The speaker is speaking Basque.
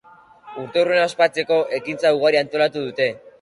Urteurrena ospatzeko, ekintza ugari antolatu dute.